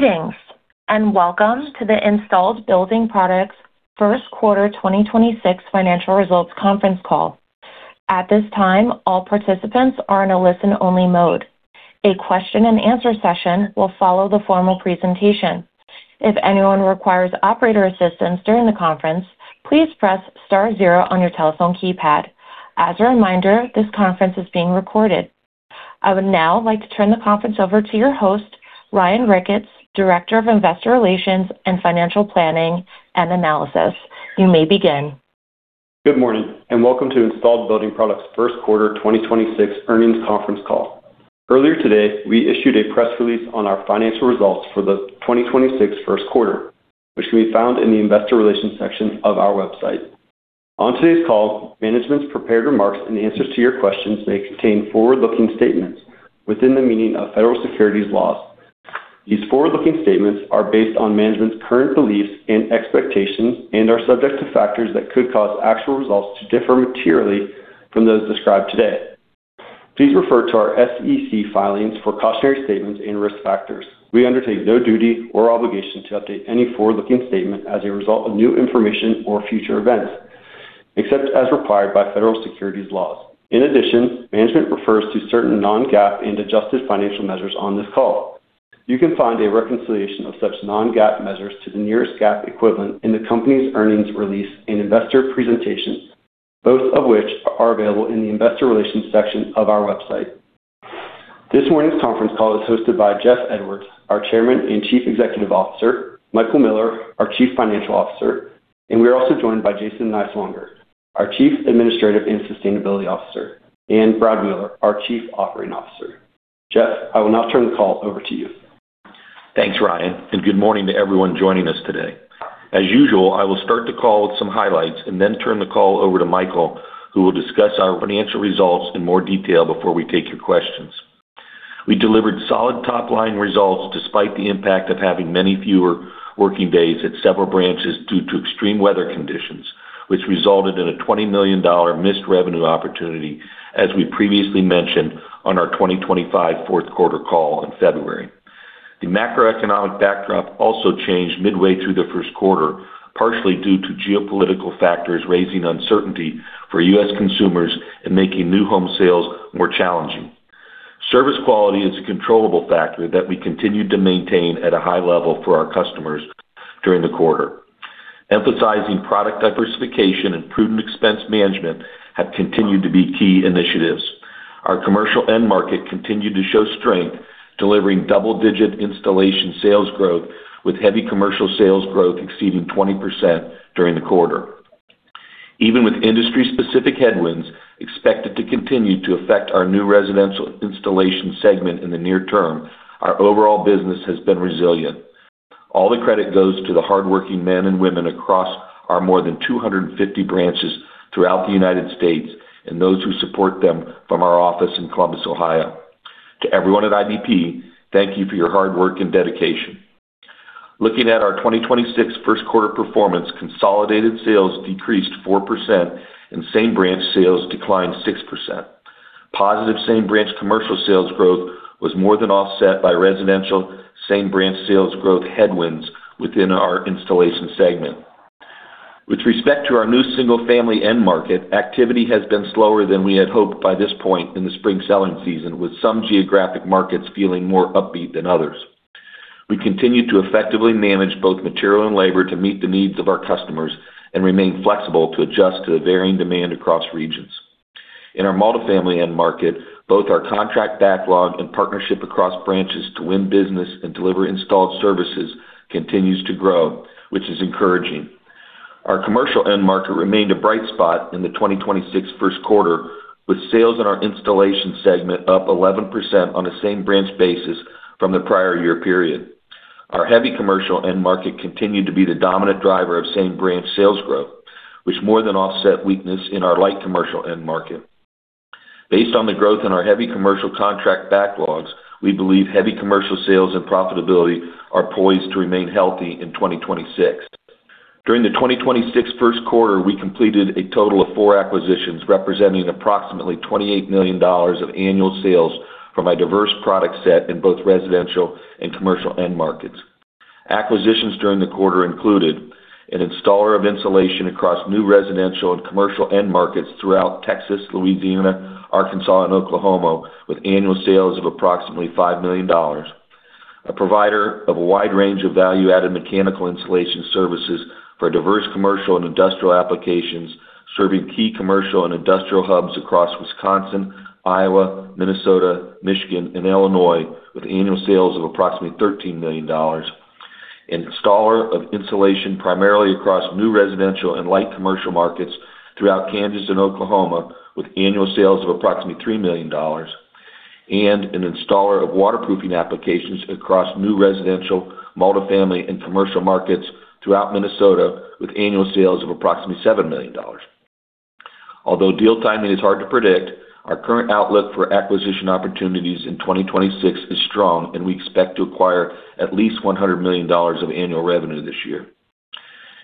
Greetings. Welcome to the Installed Building Products first quarter 2026 financial results conference call. At this time, all participants are in a listen-only mode. A question and answer session will follow the formal presentation. If anyone requires operator assistance during the conference, please press star-zero on your telephone keypad. As a reminder, this conference is being recorded. I would now like to turn the conference over to your host, Ryan Ricketts, Director of Investor Relations and Financial Planning and Analysis. You may begin. Good morning, and welcome to Installed Building Products first quarter 2026 earnings conference call. Earlier today, we issued a press release on our financial results for the 2026 first quarter, which can be found in the investor relations section of our website. On today's call, management's prepared remarks and answers to your questions may contain forward-looking statements within the meaning of federal securities laws. These forward-looking statements are based on management's current beliefs and expectations and are subject to factors that could cause actual results to differ materially from those described today. Please refer to our SEC filings for cautionary statements and risk factors. We undertake no duty or obligation to update any forward-looking statement as a result of new information or future events, except as required by federal securities laws. In addition, management refers to certain non-GAAP and adjusted financial measures on this call. You can find a reconciliation of such non-GAAP measures to the nearest GAAP equivalent in the company's earnings release and investor presentation, both of which are available in the investor relations section of our website. This morning's conference call is hosted by Jeffrey Edwards, our Chairman and Chief Executive Officer, Michael Miller, our Chief Financial Officer, and we are also joined by Jason R. Niswonger, our Chief Administrative and Sustainability Officer, and Brad Wheeler, our Chief Operating Officer. Jeff, I will now turn the call over to you. Thanks, Ryan, and good morning to everyone joining us today. As usual, I will start the call with some highlights and then turn the call over to Michael, who will discuss our financial results in more detail before we take your questions. We delivered solid top-line results despite the impact of having many fewer working days at several branches due to extreme weather conditions, which resulted in a $20 million missed revenue opportunity, as we previously mentioned on our 2025 fourth quarter call in February. The macroeconomic backdrop also changed midway through the first quarter, partially due to geopolitical factors raising uncertainty for U.S. consumers and making new home sales more challenging. Service quality is a controllable factor that we continued to maintain at a high level for our customers during the quarter. Emphasizing product diversification and prudent expense management have continued to be key initiatives. Our commercial end market continued to show strength, delivering double-digit installation sales growth with heavy commercial sales growth exceeding 20% during the quarter. Even with industry-specific headwinds expected to continue to affect our new residential installation segment in the near term, our overall business has been resilient. All the credit goes to the hardworking men and women across our more than 250 branches throughout the United States and those who support them from our office in Columbus, Ohio. To everyone at IBP, thank you for your hard work and dedication. Looking at our 2026 first quarter performance, consolidated sales decreased 4% and same branch sales declined 6%. Positive same branch commercial sales growth was more than offset by residential same branch sales growth headwinds within our installation segment. With respect to our new single-family end market, activity has been slower than we had hoped by this point in the spring selling season, with some geographic markets feeling more upbeat than others. We continue to effectively manage both material and labor to meet the needs of our customers and remain flexible to adjust to the varying demand across regions. In our multifamily end market, both our contract backlog and partnership across branches to win business and deliver installed services continues to grow, which is encouraging. Our commercial end market remained a bright spot in the 2026 first quarter, with sales in our installation segment up 11% on a same branch basis from the prior year period. Our heavy commercial end market continued to be the dominant driver of same branch sales growth, which more than offset weakness in our light commercial end market. Based on the growth in our heavy commercial contract backlogs, we believe heavy commercial sales and profitability are poised to remain healthy in 2026. During the 2026 first quarter, we completed a total of four acquisitions, representing approximately $28 million of annual sales from a diverse product set in both residential and commercial end markets. Acquisitions during the quarter included an installer of insulation across new residential and commercial end markets throughout Texas, Louisiana, Arkansas, and Oklahoma, with annual sales of approximately $5 million. A provider of a wide range of value-added mechanical insulation services for diverse commercial and industrial applications, serving key commercial and industrial hubs across Wisconsin, Iowa, Minnesota, Michigan, and Illinois, with annual sales of approximately $13 million. An installer of insulation primarily across new residential and light commercial markets throughout Kansas and Oklahoma, with annual sales of approximately $3 million. An installer of waterproofing applications across new residential, multifamily, and commercial markets throughout Minnesota, with annual sales of approximately $7 million. Although deal timing is hard to predict, our current outlook for acquisition opportunities in 2026 is strong, and we expect to acquire at least $100 million of annual revenue this year.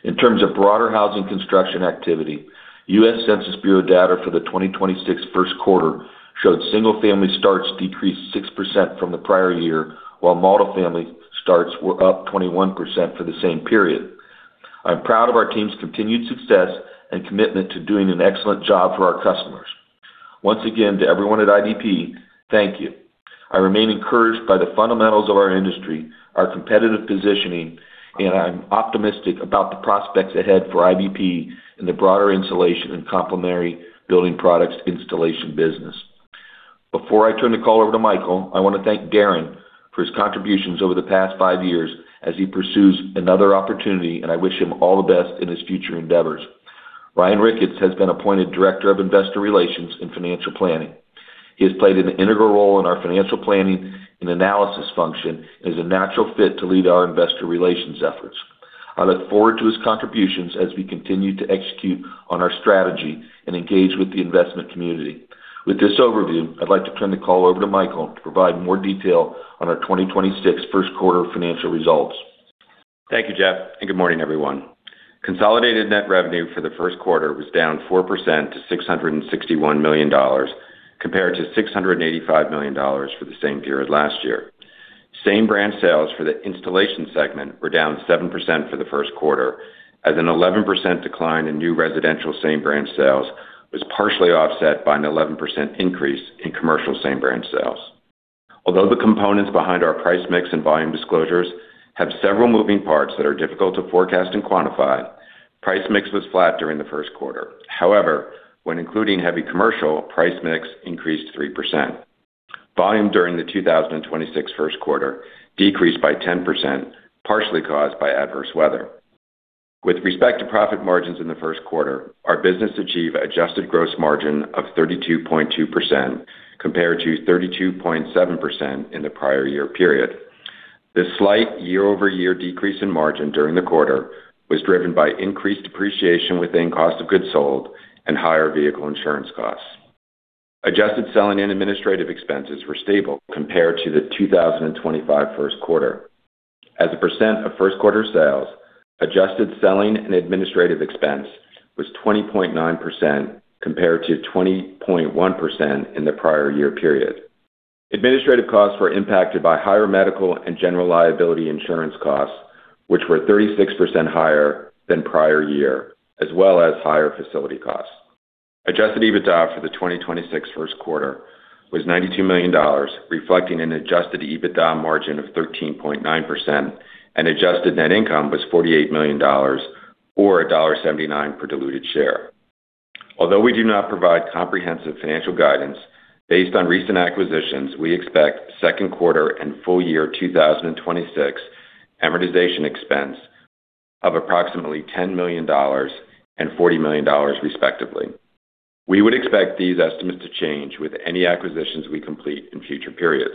In terms of broader housing construction activity, U.S. Census Bureau data for the 2026 first quarter showed single-family starts decreased 6% from the prior year, while multifamily starts were up 21% for the same period. I'm proud of our team's continued success and commitment to doing an excellent job for our customers. Once again, to everyone at IBP, thank you. I remain encouraged by the fundamentals of our industry, our competitive positioning, and I'm optimistic about the prospects ahead for IBP in the broader insulation and complementary building products installation business. Before I turn the call over to Michael, I wanna thank Darren for his contributions over the past five years as he pursues another opportunity, and I wish him all the best in his future endeavors. Ryan Ricketts has been appointed Director of Investor Relations and Financial Planning. He has played an integral role in our financial planning and analysis function and is a natural fit to lead our investor relations efforts. I look forward to his contributions as we continue to execute on our strategy and engage with the investment community. With this overview, I'd like to turn the call over to Michael to provide more detail on our 2026 first quarter financial results. Thank you, Jeff, good morning, everyone. Consolidated net revenue for the first quarter was down 4% to $661 million, compared-$685 million for the same period last year. Same branch sales for the installation segment were down 7% for the first quarter, as an 11% decline in new residential same branch sales was partially offset by an 11% increase in commercial same branch sales. Although the components behind our price mix and volume disclosures have several moving parts that are difficult to forecast and quantify, price mix was flat during the first quarter. However, when including heavy commercial, price mix increased 3%. Volume during the 2026 first quarter decreased by 10%, partially caused by adverse weather. With respect to profit margins in the first quarter, our business achieved adjusted gross margin of 32.2% compared-32.7% in the prior year period. This slight year-over-year decrease in margin during the quarter was driven by increased depreciation within cost of goods sold and higher vehicle insurance costs. Adjusted selling and administrative expenses were stable compared to the 2025 first quarter. As a percent of first quarter sales, adjusted selling and administrative expense was 20.9% compared-20.1% in the prior year period. Administrative costs were impacted by higher medical and general liability insurance costs, which were 36% higher than prior year, as well as higher facility costs. Adjusted EBITDA for the 2026 first quarter was $92 million, reflecting an adjusted EBITDA margin of 13.9%, and adjusted net income was $48 million or $1.79 per diluted share. Although we do not provide comprehensive financial guidance, based on recent acquisitions, we expect second quarter and full-year 2026 amortization expense of approximately $10 million and $40 million, respectively. We would expect these estimates to change with any acquisitions we complete in future periods.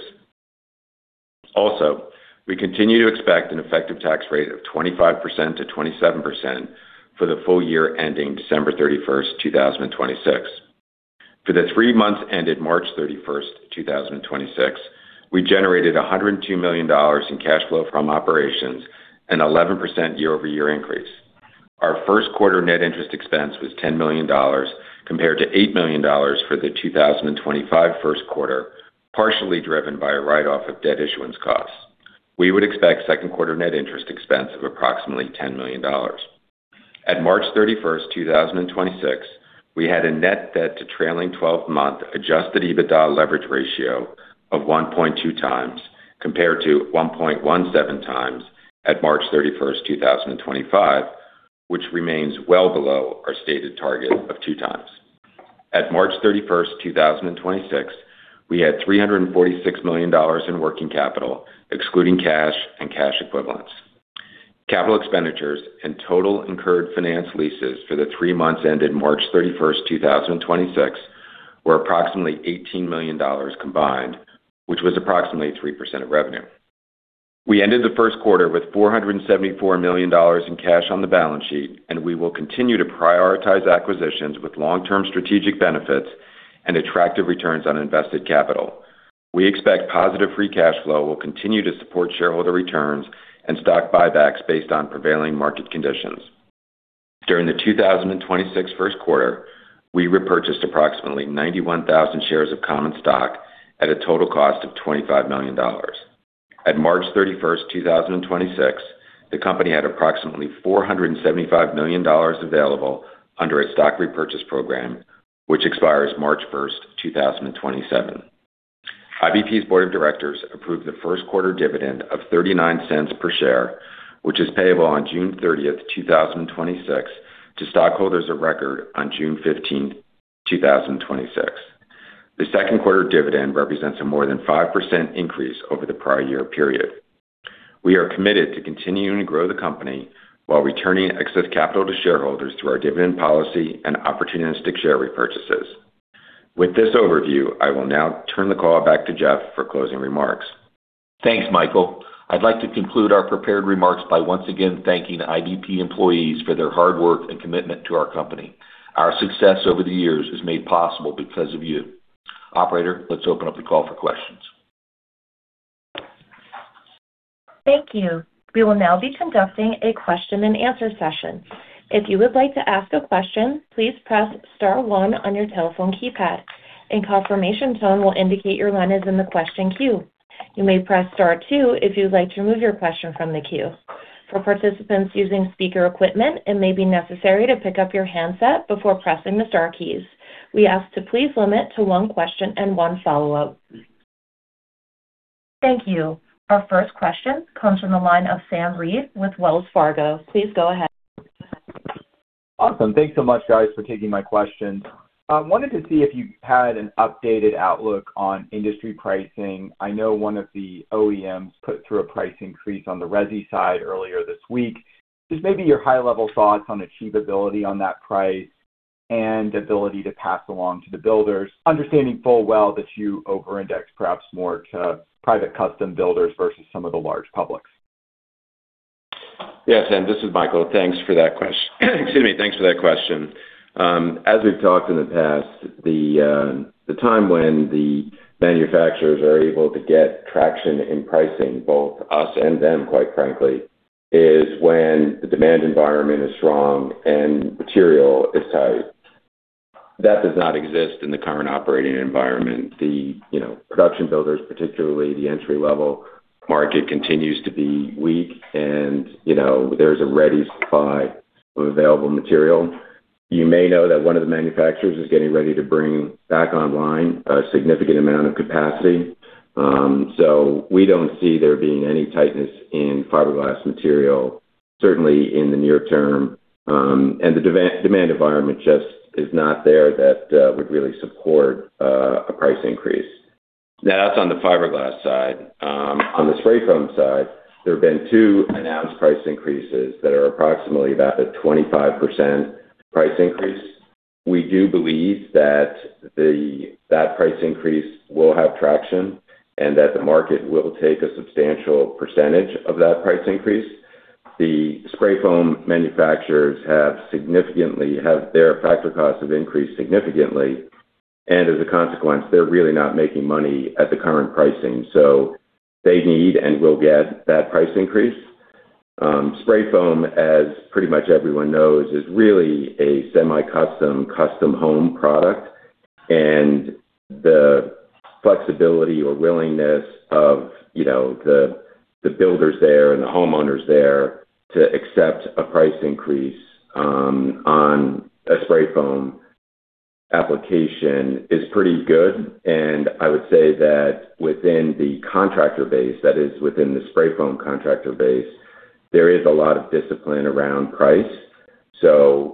Also, we continue to expect an effective tax rate of 25%-27% for the full-year ending December 31st, 2026. For the three- months ended March 31st, 2026, we generated $102 million in cash flow from operations, an 11% year-over-year increase. Our first quarter net interest expense was $10 million, compared to $8 million for the 2025 first quarter, partially driven by a write-off of debt issuance costs. We would expect second quarter net interest expense of approximately $10 million. At March 31, 2026, we had a net debt to trailing 12-month adjusted EBITDA leverage ratio of 1.2x compared-1.17x at March 31, 2025, which remains well below our stated target of 2x. At March 31, 2026, we had $346 million in working capital, excluding cash and cash equivalents. Capital expenditures and total incurred finance leases for the three months ended March 31, 2026, were approximately $18 million combined, which was approximately 3% of revenue. We ended the first quarter with $474 million in cash on the balance sheet. We will continue to prioritize acquisitions with long-term strategic benefits and attractive returns on invested capital. We expect positive free cash flow will continue to support shareholder returns and stock buybacks based on prevailing market conditions. During the 2026 first quarter, we repurchased approximately 91,000 shares of common stock at a total cost of $25 million. At March 31, 2026, the company had approximately $475 million available under a stock repurchase program, which expires March 1, 2027. IBP's Board of Directors approved the first quarter dividend of $0.39 per share, which is payable on June 30, 2026 to stockholders of record on June 15, 2026. The second quarter dividend represents a more than 5% increase over the prior year period. We are committed to continuing to grow the company while returning excess capital to shareholders through our dividend policy and opportunistic share repurchases. With this overview, I will now turn the call back to Jeff for closing remarks. Thanks, Michael. I'd like to conclude our prepared remarks by once again thanking IBP employees for their hard work and commitment to our company. Our success over the years is made possible because of you. Operator, let's open up the call for questions. Thank you. Our first question comes from the line of Sam Reid with Wells Fargo. Please go ahead. Awesome. Thanks so much, guys, for taking my questions. I wanted to see if you had an updated outlook on industry pricing. I know one of the OEMs put through a price increase on the resi side earlier this week. Just maybe your high-level thoughts on achievability on that price and ability to pass along to the builders, understanding full well that you over-index perhaps more to private custom builders versus some of the large publics. Yes, this is Michael. Excuse me. Thanks for that question. As we've talked in the past, the time when the manufacturers are able to get traction in pricing, both us and them, quite frankly, is when the demand environment is strong and material is tight. That does not exist in the current operating environment. The, you know, production builders, particularly the entry-level market, continues to be weak and, you know, there's a ready supply of available material. You may know that one of the manufacturers is getting ready to bring back online a significant amount of capacity. We don't see there being any tightness in fiberglass material, certainly in the near term. The demand environment just is not there that would really support a price increase. Now, that's on the fiberglass side. On the spray foam side, there have been two announced price increases that are approximately about a 25% price increase. We do believe that price increase will have traction and that the market will take a substantial percentage of that price increase. The spray foam manufacturers' factor costs have increased significantly, and as a consequence, they're really not making money at the current pricing. They need and will get that price increase. Spray foam, as pretty much everyone knows, is really a semi-custom, custom home product. The flexibility or willingness of, you know, the builders there and the homeowners there to accept a price increase on a spray foam application is pretty good. I would say that within the contractor base, that is within the spray foam contractor base, there is a lot of discipline around price.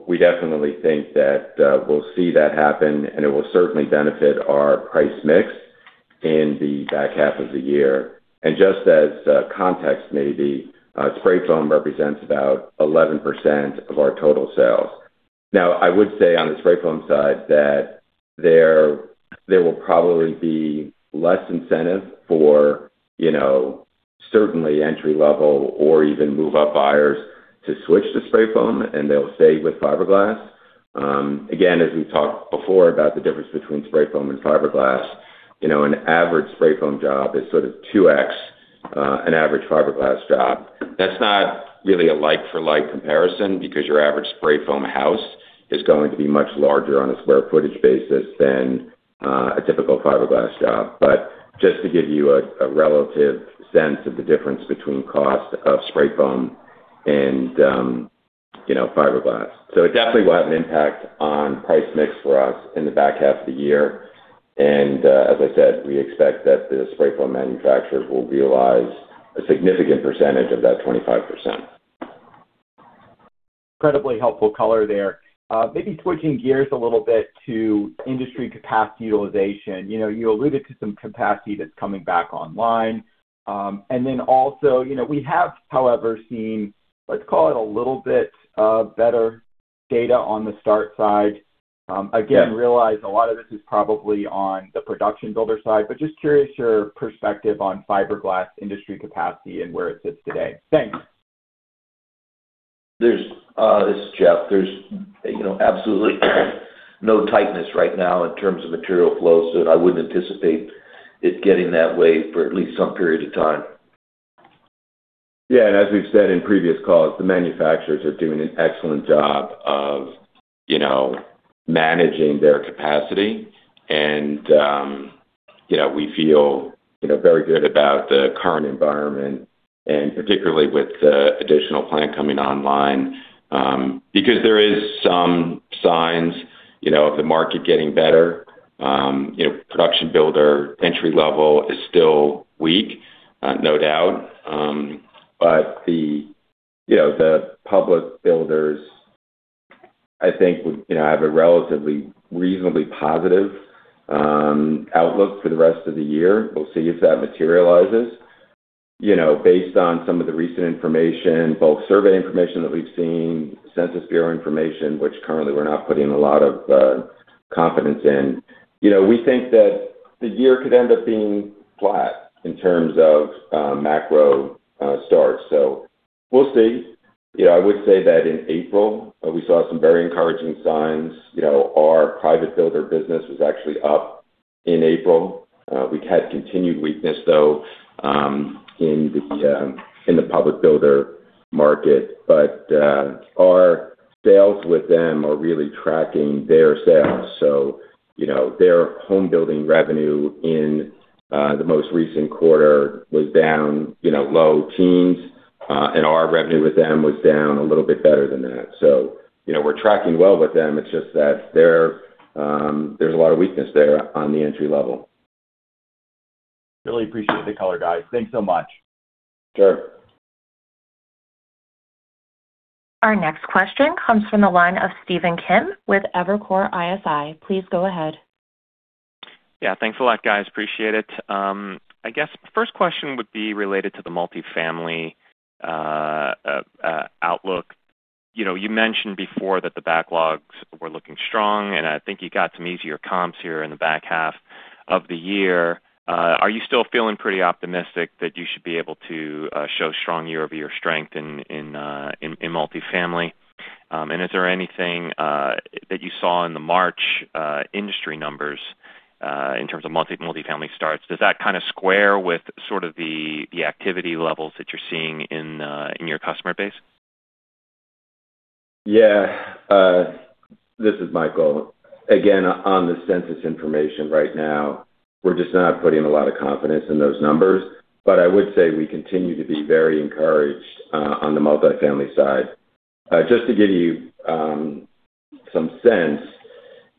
We definitely think that we'll see that happen, and it will certainly benefit our price mix in the back half of the year. Just as context maybe, spray foam represents about 11% of our total sales. I would say on the spray foam side that there will probably be less incentive for, you know, certainly entry-level or even move-up buyers to switch to spray foam, and they'll stay with fiberglass. Again, as we talked before about the difference between spray foam and fiberglass, you know, an average spray foam job is sort of 2x an average fiberglass job. That's not really a like for like comparison because your average spray foam house is going to be much larger on a square footage basis than a typical fiberglass job. Just to give you a relative sense of the difference between cost of spray foam and, you know, fiberglass. It definitely will have an impact on price mix for us in the back half of the year. As I said, we expect that the spray foam manufacturers will realize a significant percentage of that 25%. Incredibly helpful color there. Maybe switching gears a little bit to industry capacity utilization. You know, you alluded to some capacity that's coming back online. You know, we have, however, seen, let's call it a little bit of better data on the start side. Yes. Realize a lot of this is probably on the production builder side, just curious your perspective on fiberglass industry capacity and where it sits today. Thanks. This is Jeffrey. There's, you know, absolutely no tightness right now in terms of material flow, so I wouldn't anticipate it getting that way for at least some period of time. Yeah. As we've said in previous calls, the manufacturers are doing an excellent job of, you know, managing their capacity. You know, we feel, you know, very good about the current environment and particularly with the additional plant coming online, because there is some signs, you know, of the market getting better. You know, production builder entry level is still weak, no doubt. The, you know, the public builders, I think, you know, have a relatively reasonably positive outlook for the rest of the year. We'll see if that materializes. You know, based on some of the recent information, both survey information that we've seen, Census Bureau information, which currently we're not putting a lot of confidence in, you know, we think that the year could end up being flat in terms of macro starts. We'll see. You know, I would say that in April, we saw some very encouraging signs. You know, our private builder business was actually up in April. We've had continued weakness though, in the public builder market. Our sales with them are really tracking their sales, so you know, their home-building revenue in the most recent quarter was down, you know, low teens, and our revenue with them was down a little bit better than that. You know, we're tracking well with them. It's just that there's a lot of weakness there on the entry level. Really appreciate the color, guys. Thanks so much. Sure. Our next question comes from the line of Stephen Kim with Evercore ISI. Please go ahead. Yeah. Thanks a lot, guys. Appreciate it. I guess first question would be related to the multifamily outlook. You know, you mentioned before that the backlogs were looking strong, and I think you got some easier comps here in the back half of the year. Are you still feeling pretty optimistic that you should be able to show strong year-over-year strength in multifamily? Is there anything that you saw in the March industry numbers in terms of multifamily starts? Does that kind of square with sort of the activity levels that you're seeing in your customer base? Yeah. This is Michael. On the census information right now, we're just not putting a lot of confidence in those numbers. I would say we continue to be very encouraged on the multifamily side. Just to give you some sense,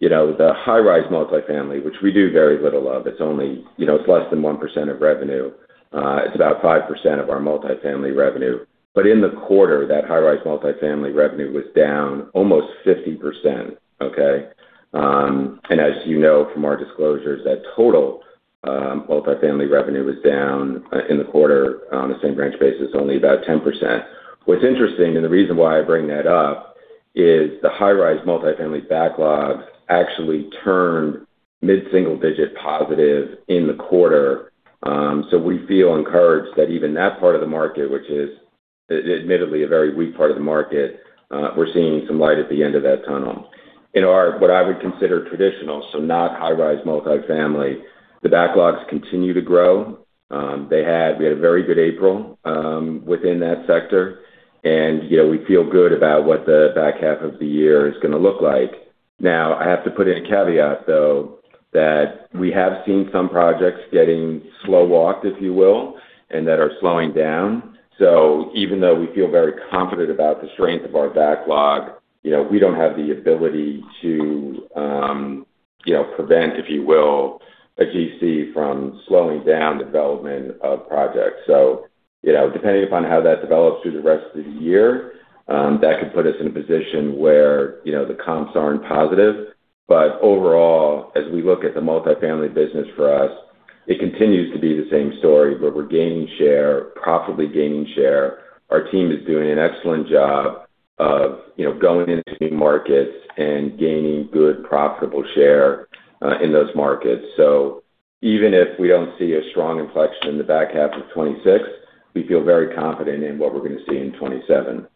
you know, the high-rise multifamily, which we do very little of, it's only, you know, it's less than 1% of revenue, it's about 5% of our multifamily revenue. In the quarter, that high-rise multifamily revenue was down almost 50%, okay? As you know from our disclosures, that total multifamily revenue was down in the quarter on the same branch basis only about 10%. What's interesting, the reason why I bring that up, is the high-rise multifamily backlogs actually turned mid-single digit positive in the quarter. We feel encouraged that even that part of the market, which is admittedly a very weak part of the market, we're seeing some light at the end of that tunnel. In our, what I would consider traditional, so not high-rise multifamily, the backlogs continue to grow. We had a very good April within that sector and, you know, we feel good about what the back half of the year is gonna look like. I have to put in a caveat, though, that we have seen some projects getting slow walked, if you will, and that are slowing down. Even though we feel very confident about the strength of our backlog, you know, we don't have the ability to, you know, prevent, if you will, a GC from slowing down development of projects. You know, depending upon how that develops through the rest of the year, that could put us in a position where, you know, the comps aren't positive. Overall, as we look at the multifamily business for us, it continues to be the same story where we're gaining share, profitably gaining share. Our team is doing an excellent job of, you know, going into new markets and gaining good profitable share in those markets. Even if we don't see a strong inflection in the back half of 2026, we feel very confident in what we're gonna see in 2027.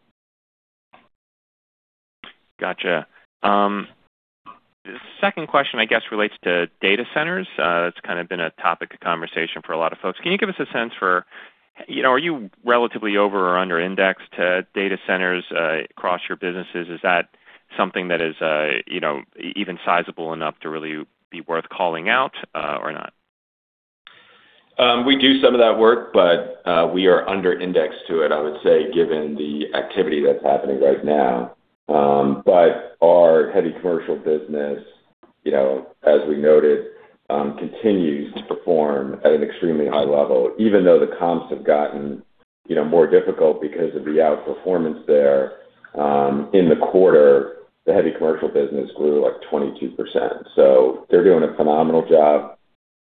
Gotcha. The second question, I guess, relates to data centers. It's kind of been a topic of conversation for a lot of folks. Can you give us a sense for, you know, are you relatively over or under indexed to data centers across your businesses? Is that something that is, you know, even sizable enough to really be worth calling out or not? We do some of that work, but we are under indexed to it, I would say, given the activity that's happening right now. Our heavy commercial business, you know, as we noted, continues to perform at an extremely high level. Even though the comps have gotten, you know, more difficult because of the outperformance there, in the quarter, the heavy commercial business grew, like, 22%. They're doing a phenomenal job,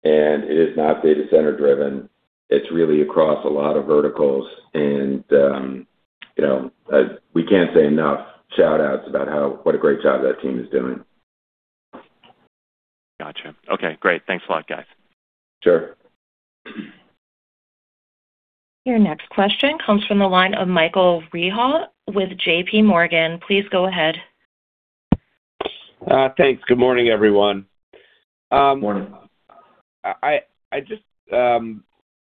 and it is not data center driven. It's really across a lot of verticals and, you know, we can't say enough shout-outs about how what a great job that team is doing. Gotcha. Okay, great. Thanks a lot, guys. Sure. Your next question comes from the line of Michael Rehaut with JPMorgan. Please go ahead. Thanks. Good morning, everyone. Morning. I just,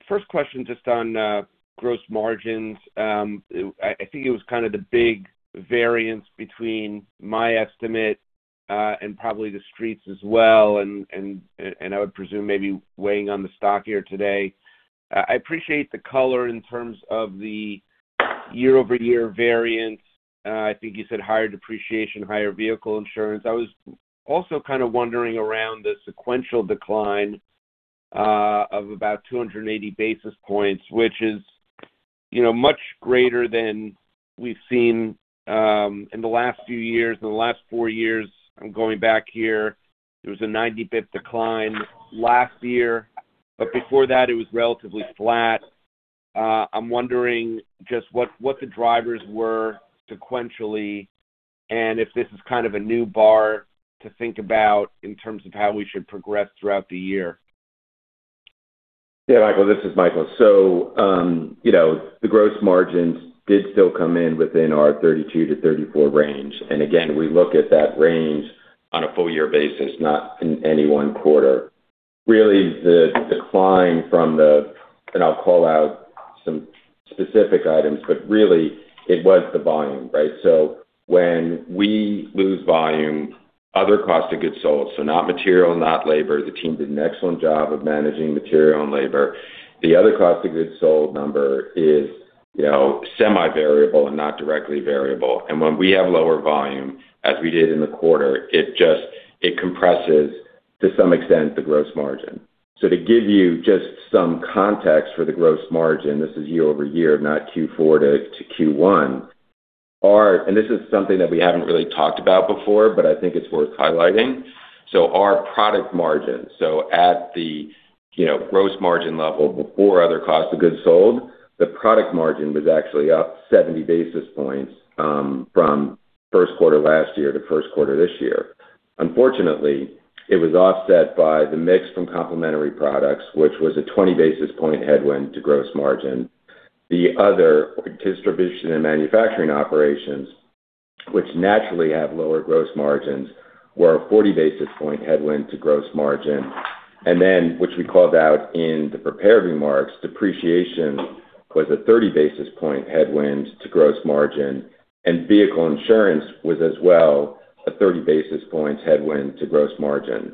first question just on gross margins. I think it was kind of the big variance between my estimate and probably the streets as well and I would presume maybe weighing on the stock here today. I appreciate the color in terms of the year-over-year variance. I think you said higher depreciation, higher vehicle insurance. I was also kind of wondering around the sequential decline of about 280 basis points, which is, you know, much greater than we've seen in the last few years. In the last four years, I'm going back here, there was a 90 basis points, decline last year, but before that it was relatively flat. I'm wondering just what the drivers were sequentially and if this is kind of a new bar to think about in terms of how we should progress throughout the year. Yeah, Michael, this is Michael. You know, the gross margins did still come in within our 32%-34% range. Again, we look at that range on a full year basis, not in any one quarter. Really the decline, and I'll call out some specific items, but really it was the volume, right? When we lose volume, other cost of goods sold, not material, not labor, the team did an excellent job of managing material and labor. The other cost of goods sold number is, you know, semi-variable and not directly variable. When we have lower volume, as we did in the quarter, it just, it compresses to some extent, the gross margin. To give you just some context for the gross margin, this is year-over-year, not Q4 to Q1. This is something that we haven't really talked about before, but I think it's worth highlighting. Our product margin. At the, you know, gross margin level before other cost of goods sold, the product margin was actually up 70 basis points from first quarter last year to first quarter this year. Unfortunately, it was offset by the mix from complementary products, which was a 20 basis point headwind to gross margin. The other distribution and manufacturing operations, which naturally have lower gross margins, were a 40 basis point headwind to gross margin. Then, which we called out in the prepared remarks, depreciation was a 30 basis point headwind to gross margin, and vehicle insurance was as well a 30 basis points headwind to gross margin.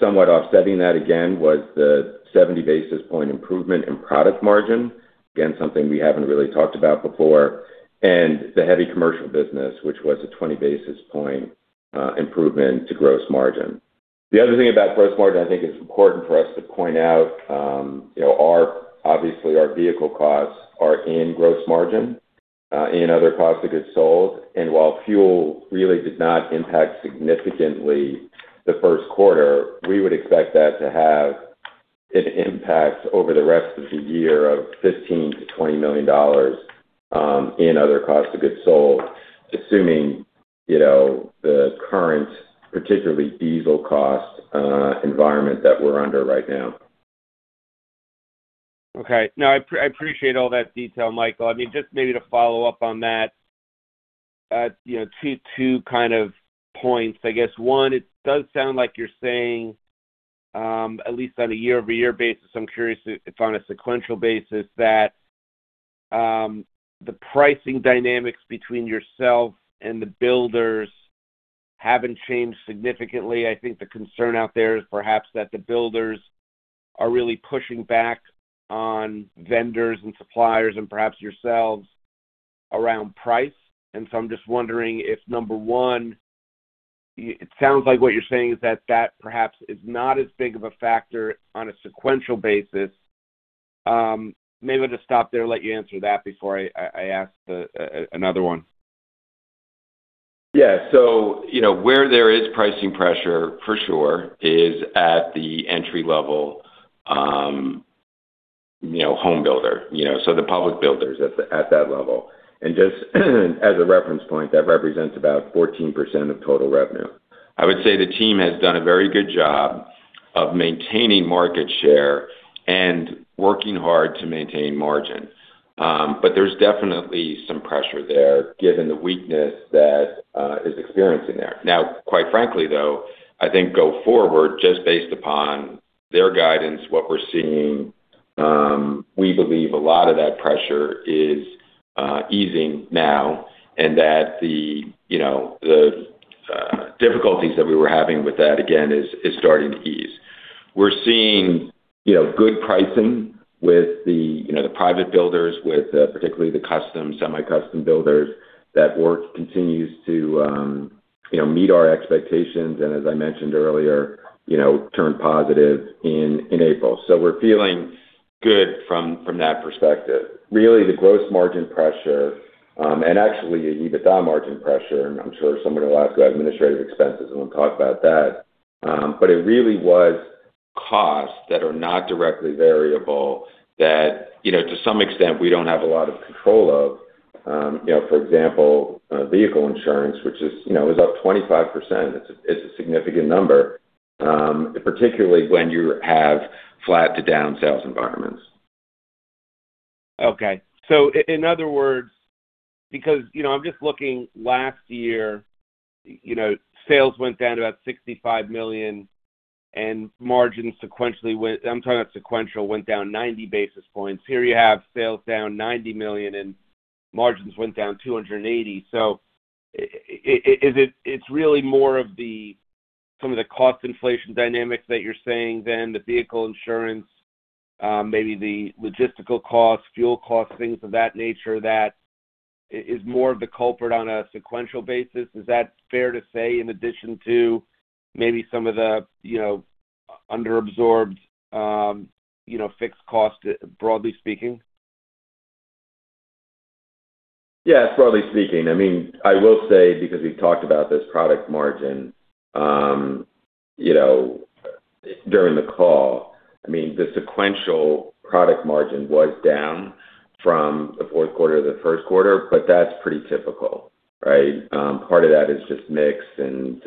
Somewhat offsetting that again, was the 70 basis point improvement in product margin. Again, something we haven't really talked about before, the heavy commercial business, which was a 20 basis point improvement to gross margin. The other thing about gross margin, I think it's important for us to point out, you know, our obviously our vehicle costs are in gross margin, in other costs of goods sold. While fuel really did not impact significantly the first quarter, we would expect that to have an impact over the rest of the year of $15 million-$20 million in other costs of goods sold, assuming, you know, the current, particularly diesel cost, environment that we're under right now. Okay. No, I appreciate all that detail, Michael. Just maybe to follow up on that, two kind of points. I guess one, it does sound like you're saying, at least on a year-over-year basis, I'm curious if on a sequential basis that the pricing dynamics between yourself and the builders haven't changed significantly. I think the concern out there is perhaps that the builders are really pushing back on vendors and suppliers and perhaps yourselves around price. So I'm just wondering if, number one, it sounds like what you're saying is that perhaps is not as big of a factor on a sequential basis. Maybe I'll just stop there, let you answer that before I ask another one. Yeah. You know, where there is pricing pressure for sure is at the entry level, you know, home builder. You know, the public builders at that level. Just as a reference point, that represents about 14% of total revenue. I would say the team has done a very good job of maintaining market share and working hard to maintain margin. There's definitely some pressure there given the weakness that is experiencing there. Now, quite frankly, though, I think go forward, just based upon their guidance, what we're seeing, we believe a lot of that pressure is easing now and that the, you know, the difficulties that we were having with that again is starting to ease. We're seeing, you know, good pricing with the, you know, the private builders with particularly the custom, semi-custom builders. That work continues to, you know, meet our expectations and as I mentioned earlier, you know, turn positive in April. We're feeling good from that perspective. Really the gross margin pressure, and actually the EBITDA margin pressure, and I'm sure someone will ask about administrative expenses, and we'll talk about that. It really was costs that are not directly variable that, you know, to some extent, we don't have a lot of control of. You know, for example, vehicle insurance, which is, you know, is up 25%. It's a significant number, particularly when you have flat to down sales environments. Okay. In other words, because, you know, I'm just looking last year, you know, sales went down to about $65 million, and margin sequentially went down 90 basis points. Here you have sales down $90 million and margins went down 280 basis points. Is it really more of the, some of the cost inflation dynamics that you're seeing then the vehicle insurance, maybe the logistical costs, fuel costs, things of that nature that is more of the culprit on a sequential basis? Is that fair to say in addition to maybe some of the, you know, underabsorbed, fixed cost, broadly speaking? Yes, broadly speaking. I mean, I will say because we've talked about this product margin, you know, during the call. I mean, the sequential product margin was down from the fourth quarter to the first quarter, but that's pretty typical, right? Part of that is just mix and,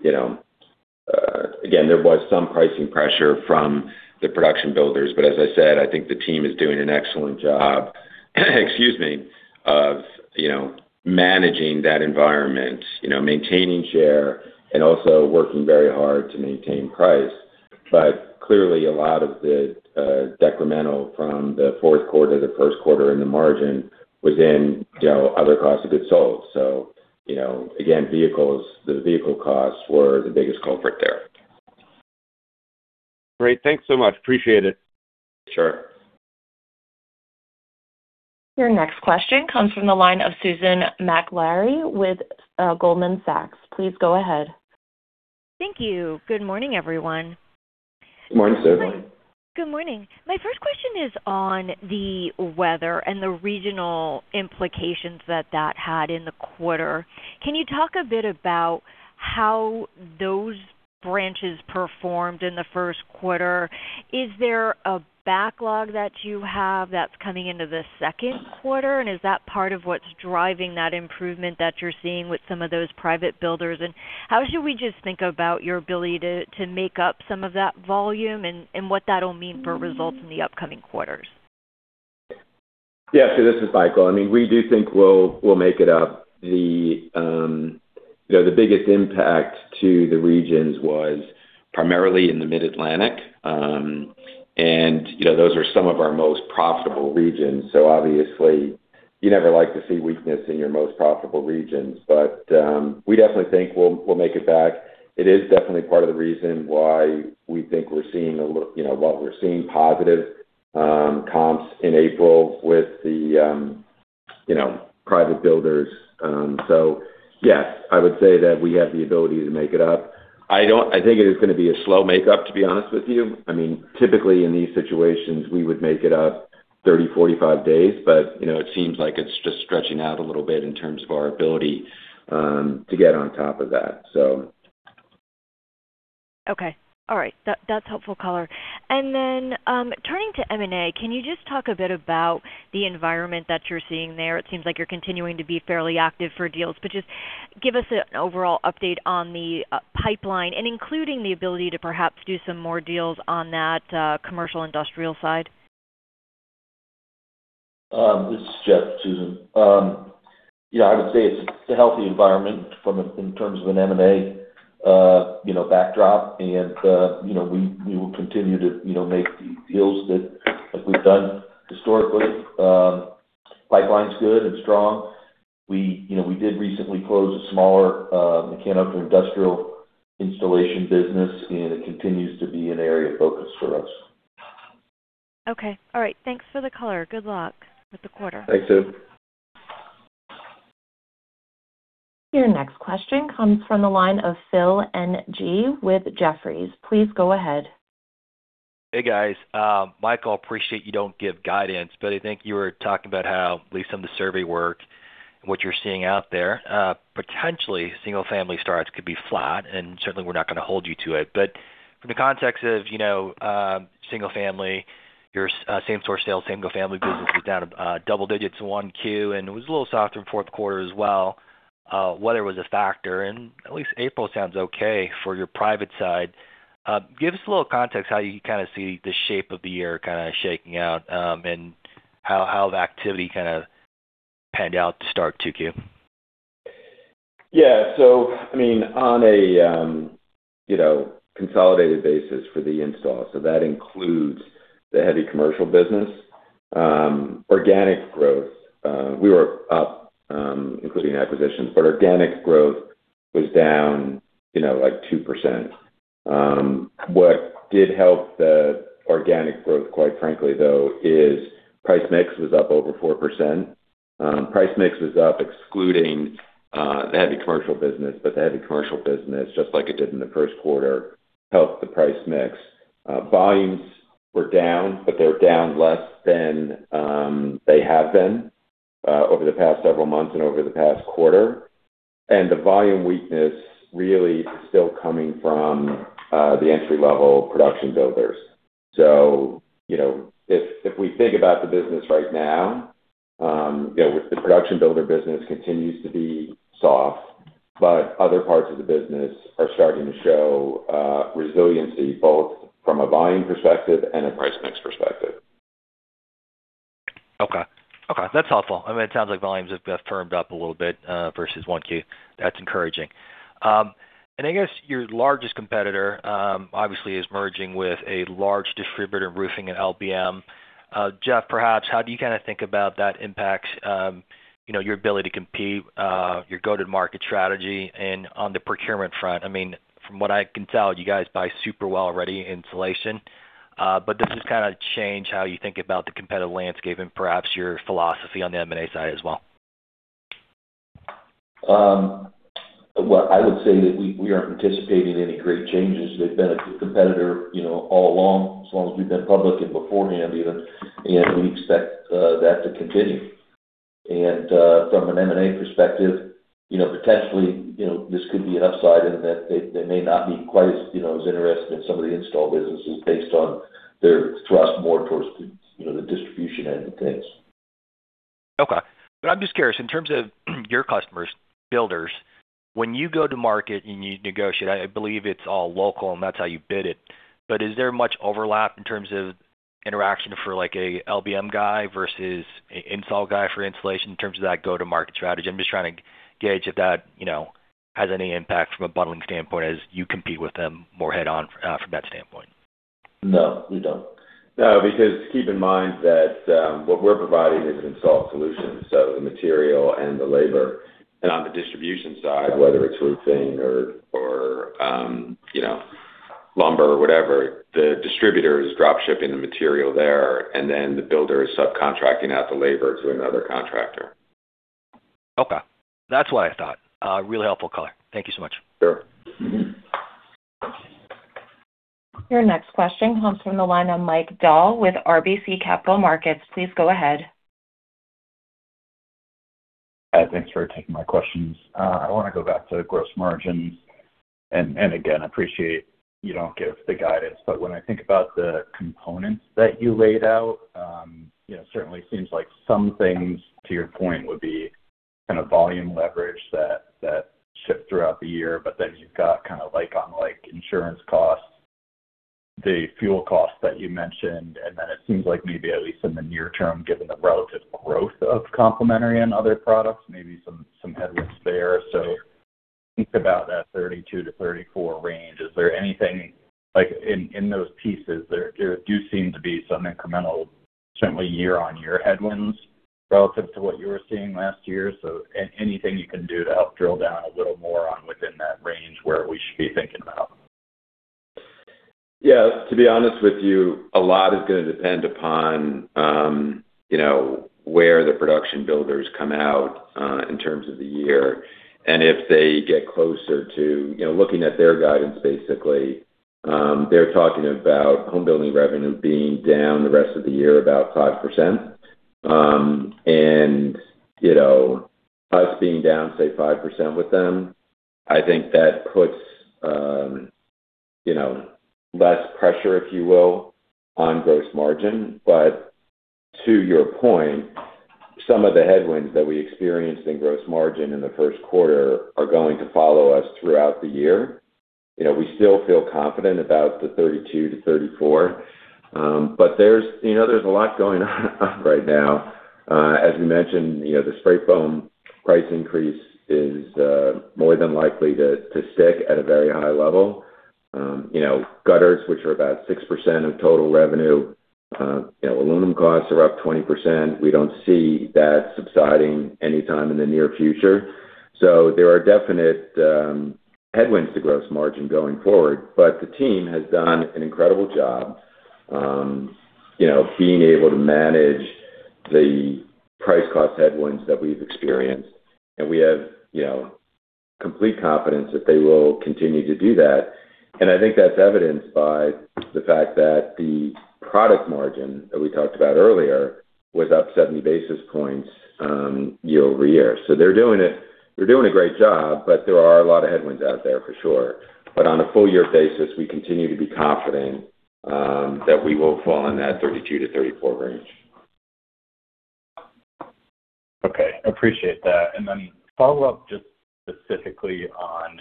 you know, again, there was some pricing pressure from the production builders. As I said, I think the team is doing an excellent job, excuse me, of, you know, managing that environment, you know, maintaining share and also working very hard to maintain price. Clearly, a lot of the decremental from the fourth quarter to the first quarter in the margin was in, you know, other costs of goods sold. You know, again, vehicles, the vehicle costs were the biggest culprit there. Great. Thanks so much. Appreciate it. Sure. Your next question comes from the line of Susan Maklari with Goldman Sachs. Please go ahead. Thank you. Good morning, everyone. Morning, Susan. Good morning. My first question is on the weather and the regional implications that that had in the quarter. Can you talk a bit about how those branches performed in the first quarter? Is there a backlog that you have that's coming into the second quarter, and is that part of what's driving that improvement that you're seeing with some of those private builders? How should we just think about your ability to make up some of that volume and what that'll mean for results in the upcoming quarters? Yeah. This is Michael. I mean, we do think we'll make it up. The, you know, the biggest impact to the regions was primarily in the Mid-Atlantic. You know, those are some of our most profitable regions. Obviously, you never like to see weakness in your most profitable regions. We definitely think we'll make it back. It is definitely part of the reason why we think we're seeing, you know, while we're seeing positive comps in April with the, you know, private builders. Yes, I would say that we have the ability to make it up. I think it is gonna be a slow makeup, to be honest with you. I mean, typically in these situations, we would make it up 30, 45 days, but, you know, it seems like it's just stretching out a little bit in terms of our ability, to get on top of that. Okay. All right. That's helpful color. Turning to M&A, can you just talk a bit about the environment that you're seeing there? It seems like you're continuing to be fairly active for deals, but just give us an overall update on the pipeline and including the ability to perhaps do some more deals on that commercial industrial side. This is Jeff, Susan. You know, I would say it's a healthy environment from in terms of an M&A, you know, backdrop. You know, we will continue to, you know, make the deals that like we've done historically. Pipeline's good and strong. We, you know, we did recently close a smaller, mechanical industrial installation business, and it continues to be an area of focus for us. Okay. All right. Thanks for the color. Good luck with the quarter. Thanks, Susan. Your next question comes from the line of Philip Ng with Jefferies. Please go ahead. Hey, guys. Michael, I appreciate you don't give guidance, but I think you were talking about how at least some of the survey work and what you're seeing out there, potentially single-family starts could be flat, and certainly we're not gonna hold you to it. From the context of, you know, single-family, your same branch sales business was down double-digits in 1Q, and it was a little softer in fourth quarter as well. Weather was a factor, at least April sounds okay for your private side. Give us a little context how you kinda see the shape of the year kinda shaking out, and how the activity kinda panned out to start 2Q. I mean, on a, you know, consolidated basis for the install, so that includes the heavy commercial business. Organic growth, we were up, including acquisitions, but organic growth was down, you know, like 2%. What did help the organic growth, quite frankly, though, is price mix was up over 4%. Price mix was up excluding the heavy commercial business, but the heavy commercial business, just like it did in the first quarter, helped the price mix. Volumes were down, but they're down less than they have been over the past several months and over the past quarter. The volume weakness really is still coming from the entry-level production builders. You know, if we think about the business right now, you know, the production builder business continues to be soft, but other parts of the business are starting to show resiliency, both from a volume perspective and a price mix perspective. Okay. Okay, that's helpful. I mean, it sounds like volumes have firmed up a little bit versus 1Q. That's encouraging. I guess your largest competitor obviously is merging with a large distributor, roofing and LBM. Jeff, perhaps how do you kinda think about that impact, you know, your ability to compete, your go-to-market strategy and on the procurement front? I mean, from what I can tell, you guys buy super well already insulation. Does this kinda change how you think about the competitive landscape and perhaps your philosophy on the M&A side as well? Well, I would say that we aren't anticipating any great changes. They've been a competitor, you know, all along, as long as we've been public and beforehand even, and we expect that to continue. From an M&A perspective, you know, potentially, you know, this could be an upside in that they may not be quite as, you know, as interested in some of the install businesses based on their thrust more towards the, you know, the distribution end of things. Okay. I'm just curious, in terms of your customers, builders, when you go to market and you negotiate, I believe it's all local, and that's how you bid it. Is there much overlap in terms of interaction for like a LBM guy versus a install guy for installation in terms of that go-to-market strategy? I'm just trying to gauge if that, you know, has any impact from a bundling standpoint as you compete with them more head-on from that standpoint. No, we don't. No, because keep in mind that what we're providing is an install solution, so the material and the labor. On the distribution side, whether it's roofing or, you know, lumber or whatever, the distributor is drop shipping the material there, and then the builder is subcontracting out the labor to another contractor. Okay. That's what I thought. Really helpful color. Thank you so much. Sure. Your next question comes from the line of Michael Dahl with RBC Capital Markets. Please go ahead. Thanks for taking my questions. I wanna go back to gross margins. Again, appreciate you don't give the guidance, but when I think about the components that you laid out, you know, certainly seems like some things, to your point, would be kind of volume leverage that shift throughout the year. You've got kind of like insurance costs, the fuel costs that you mentioned, and then it seems like maybe at least in the near term, given the relative growth of complementary and other products, maybe some headwinds there. Think about that 32-34 range. Is there anything, like in those pieces, there do seem to be some incremental, certainly year-over-year headwinds relative to what you were seeing last year. Anything you can do to help drill down a little more on within that range where we should be thinking about? Yeah. To be honest with you, a lot is gonna depend upon, you know, where the production builders come out in terms of the year. If they get closer to, you know, looking at their guidance, basically, they're talking about home building revenue being down the rest of the year about 5%. You know, us being down, say, 5% with them, I think that puts, you know, less pressure, if you will, on gross margin. To your point, some of the headwinds that we experienced in gross margin in the first quarter are going to follow us throughout the year. You know, we still feel confident about the 32%-34%. There's, you know, there's a lot going on right now. As we mentioned, you know, the spray foam price increase is more than likely to stick at a very high level. You know, gutters, which are about 6% of total revenue, you know, aluminum costs are up 20%. We don't see that subsiding anytime in the near future. There are definite headwinds to gross margin going forward. The team has done an incredible job, you know, being able to manage the price cost headwinds that we've experienced. We have, you know, complete confidence that they will continue to do that. I think that's evidenced by the fact that the product margin that we talked about earlier was up 70 basis points year-over-year. They're doing it. They're doing a great job, there are a lot of headwinds out there for sure. On a full-year basis, we continue to be confident that we will fall in that 32%-34% range. Okay. Appreciate that. Then follow up just specifically on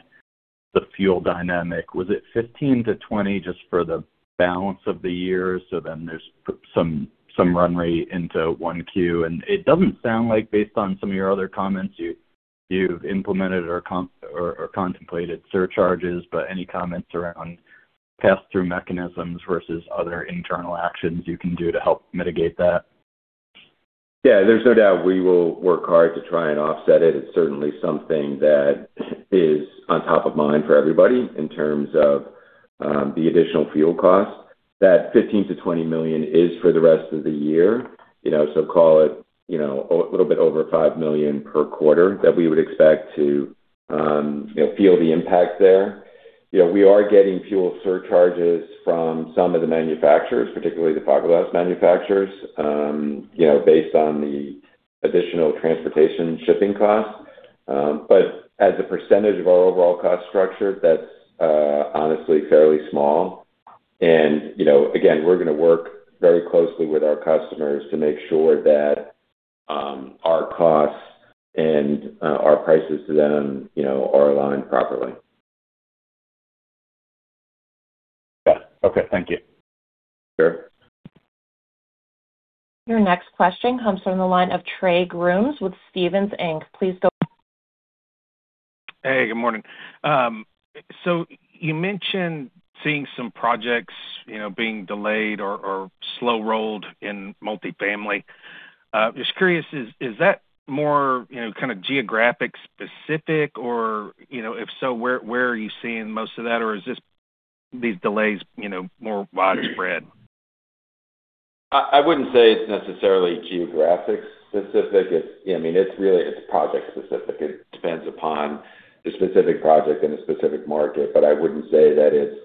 the fuel dynamic. Was it 15%-20% just for the balance of the year? There's some run rate into 1Q. It doesn't sound like based on some of your other comments, you've implemented or contemplated surcharges, but any comments around pass-through mechanisms versus other internal actions you can do to help mitigate that? Yeah. There's no doubt we will work hard to try and offset it. It's certainly something that is on top of mind for everybody in terms of the additional fuel costs. That $15 million-$20 million is for the rest of the year. You know, call it, you know, a little bit over $5 million per quarter that we would expect to, you know, feel the impact there. You know, we are getting fuel surcharges from some of the manufacturers, particularly the fiberglass manufacturers, you know, based on the additional transportation shipping costs. As a percentage of our overall cost structure, that's honestly fairly small. You know, again, we're gonna work very closely with our customers to make sure that our costs and our prices to them, you know, are aligned properly. Yeah. Okay. Thank you. Sure. Your next question comes from the line of Trey Grooms with Stephens Inc. Good morning. You mentioned seeing some projects, you know, being delayed or slow-rolled in multifamily. Just curious, is that more, you know, kind of geographic specific? You know, if so, where are you seeing most of that? Is this these delays, you know, more widespread? I wouldn't say it's necessarily geographic specific. I mean, it's really, it's project specific. It depends upon the specific project and the specific market. I wouldn't say that it's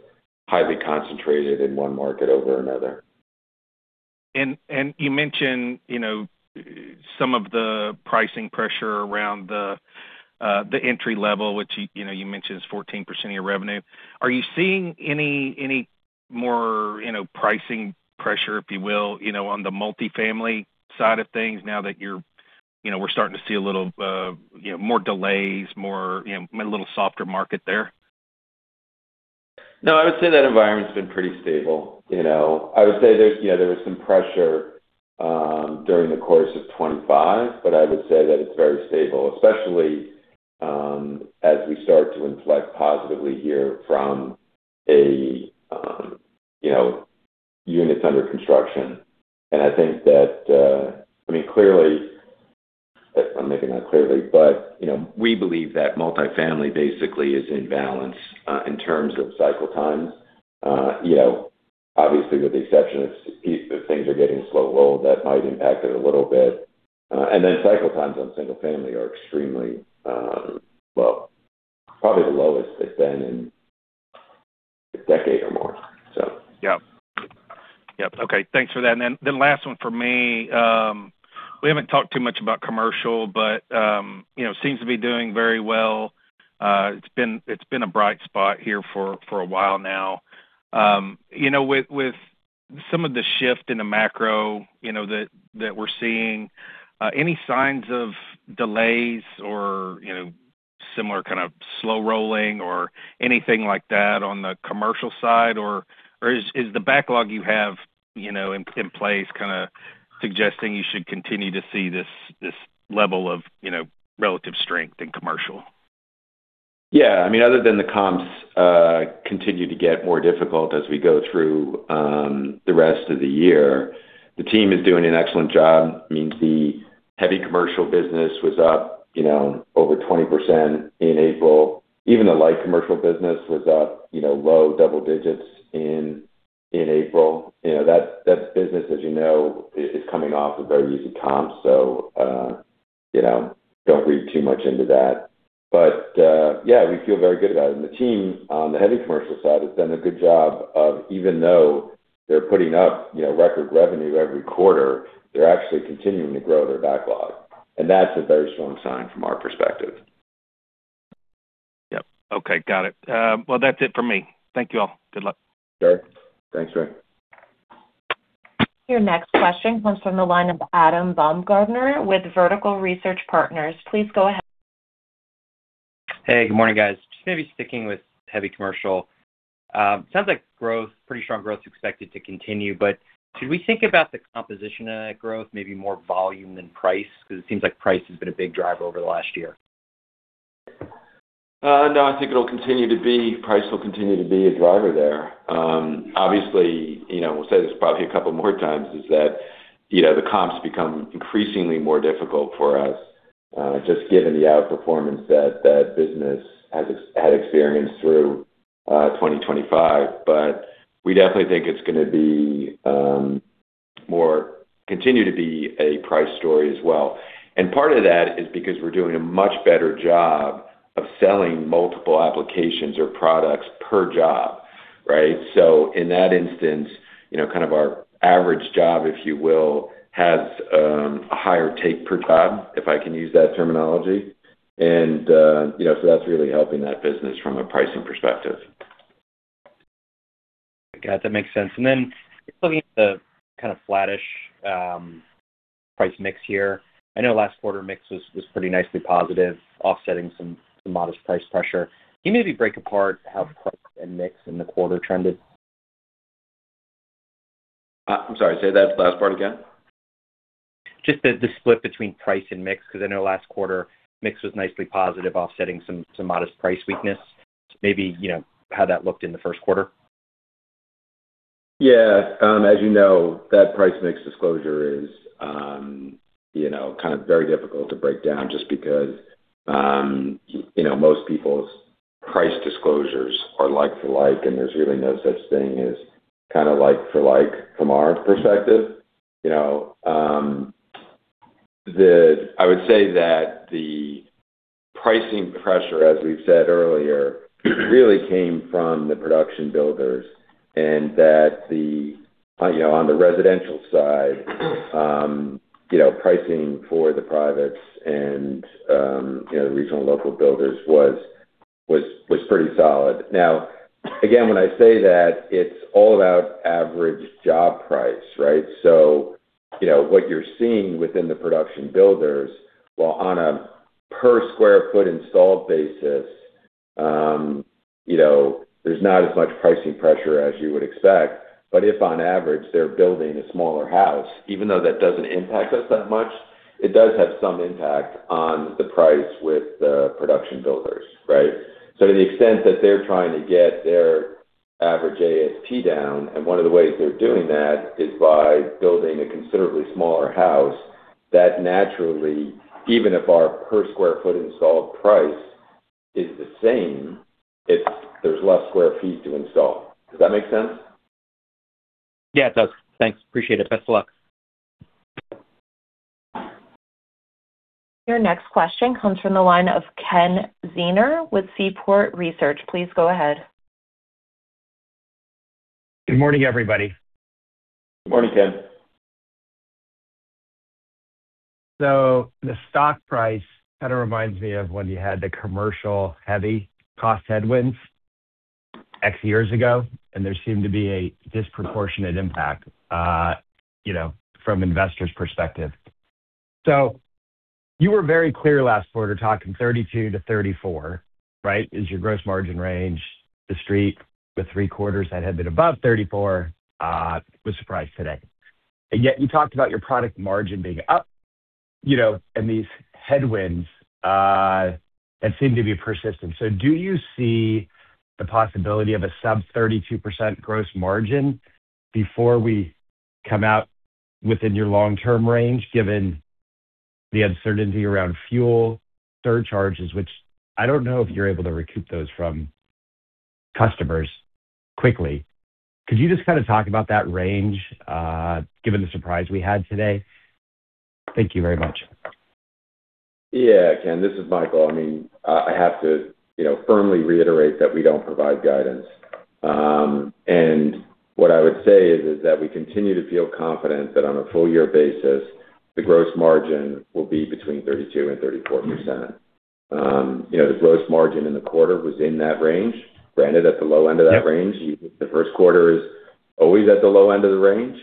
highly concentrated in one market over another. You mentioned, you know, some of the pricing pressure around the entry level, which you know, you mentioned is 14% of your revenue. Are you seeing any more, you know, pricing pressure, if you will, you know, on the multifamily side of things now that you're, you know, we're starting to see a little, you know, more delays, more, you know, a little softer market there? No, I would say that environment's been pretty stable, you know. I would say there's, you know, there was some pressure during the course of 2025, but I would say that it's very stable, especially as we start to inflect positively here from a, you know, units under construction. I think that, I mean, maybe not clearly, but, you know, we believe that multifamily basically is in balance in terms of cycle times. You know, obviously, with the exception of if things are getting slow roll, that might impact it a little bit. Then cycle times on single family are extremely well, probably the lowest they've been in 10 years or more, so. Yep. Yep. Okay, thanks for that. The last one for me, we haven't talked too much about commercial, you know, seems to be doing very well. It's been a bright spot here for a while now. You know, with some of the shift in the macro, you know, that we're seeing, any signs of delays or, you know, similar kind of slow rolling or anything like that on the commercial side? Or is the backlog you have, you know, in place kinda suggesting you should continue to see this level of, you know, relative strength in commercial? Yeah. I mean, other than the comps, continue to get more difficult as we go through the rest of the year, the team is doing an excellent job. I mean, the heavy commercial business was up, you know, over 20% in April. Even the light commercial business was up, you know, low double digits in April. You know, that business, as you know, is coming off a very easy comp. Don't read too much into that. Yeah, we feel very good about it. The team on the heavy commercial side has done a good job of even though they're putting up, you know, record revenue every quarter, they're actually continuing to grow their backlog. That's a very strong sign from our perspective. Yep. Okay. Got it. That's it for me. Thank you all. Good luck. Sure. Thanks, Trey Grooms. Your next question comes from the line of Adam Baumgarten with Vertical Research Partners. Please go ahead. Hey, good morning, guys. Just maybe sticking with heavy commercial. Sounds like growth, pretty strong growth expected to continue. Should we think about the composition of that growth, maybe more volume than price? 'Cause it seems like price has been a big driver over the last year. No, I think it'll continue to be price will continue to be a driver there. Obviously, you know, we'll say this probably a couple more times, is that, you know, the comps become increasingly more difficult for us, just given the outperformance that that business had experienced through 2025. We definitely think it's gonna be continue to be a price story as well. Part of that is because we're doing a much better job of selling multiple applications or products per job, right? In that instance, you know, kind of our average job, if you will, has a higher take per job, if I can use that terminology. You know, that's really helping that business from a pricing perspective. Got it. That makes sense. Just looking at the kind of flattish price mix here. I know last quarter mix was pretty nicely positive, offsetting some modest price pressure. Can you maybe break apart how price and mix in the quarter trended? I'm sorry. Say that last part again. Just the split between price and mix, because I know last quarter mix was nicely positive, offsetting some modest price weakness. Maybe, you know, how that looked in the first quarter? As you know, that price mix disclosure is, you know, kind of very difficult to break down just because, you know, most people's price disclosures are like for like, and there's really no such thing as kind of like for like from our perspective. I would say that the pricing pressure, as we've said earlier, really came from the production builders and that the, you know, on the residential side, you know, pricing for the privates and, you know, regional local builders was pretty solid. Again, when I say that, it's all about average job price, right? What you're seeing within the production builders, while on a per square foot installed basis, you know, there's not as much pricing pressure as you would expect. If on average, they're building a smaller house, even though that doesn't impact us that much, it does have some impact on the price with the production builders, right? To the extent that they're trying to get their average ASP down, and one of the ways they're doing that is by building a considerably smaller house, that naturally, even if our per square foot installed price is the same, it's there's less square feet to install. Does that make sense? Yeah, it does. Thanks. Appreciate it. Best of luck. Your next question comes from the line of Ken Zener with Seaport Research. Please go ahead. Good morning, everybody. Good morning, Ken. The stock price kind of reminds me of when you had the commercial heavy cost headwinds X years ago, and there seemed to be a disproportionate impact, you know, from investors' perspective. You were very clear last quarter, talking 32%-34%, right, is your gross margin range. The street with three quarters that had been above 34% was surprised today. Yet you talked about your product margin being up, you know, and these headwinds that seem to be persistent. Do you see the possibility of a sub 32% gross margin before we come out within your long-term range, given the uncertainty around fuel surcharges, which I don't know if you're able to recoup those from customers quickly. Could you just kind of talk about that range, given the surprise we had today? Thank you very much. Yeah, Ken, this is Michael. I mean, you know, I have to firmly reiterate that we don't provide guidance. What I would say is that we continue to feel confident that on a full year basis, the gross margin will be between 32% and 34%. You know, the gross margin in the quarter was in that range, granted at the low end of that range. Yep. The first quarter is always at the low end of the range.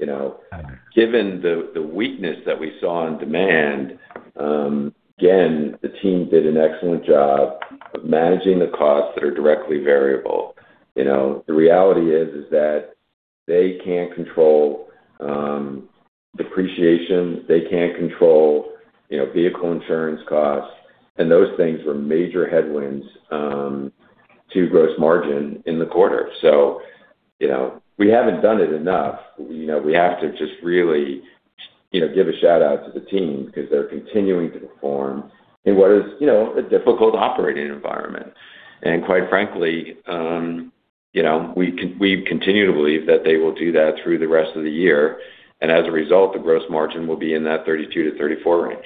You know, given the weakness that we saw in demand, again, the team did an excellent job of managing the costs that are directly variable. You know, the reality is that they can't control depreciation, they can't control, you know, vehicle insurance costs, and those things were major headwinds to gross margin in the quarter. You know, we haven't done it enough. You know, we have to just really, you know, give a shout-out to the team because they're continuing to perform in what is, you know, a difficult operating environment. Quite frankly, you know, we continue to believe that they will do that through the rest of the year, and as a result, the gross margin will be in that 32%-34% range.